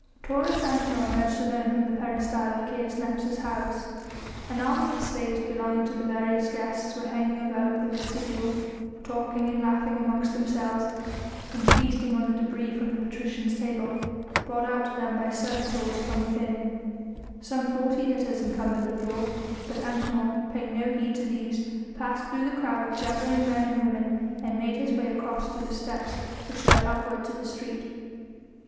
Taurus Antinor emerged alone from the peristyle of Caius Nepos' house. An army of slaves belonging to the various guests were hanging about the vestibule, talking and laughing amongst themselves and feasting on the debris from the patricians' table, brought out to them by servitors from within; some forty litters encumbered the floor, but Antinor, paying no heed to these, passed through the crowd of jabbering men and women and made his way across to the steps which led upwards to the street.